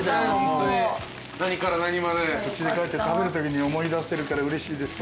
うちに帰って食べるときに思い出せるからうれしいです。